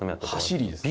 走りです。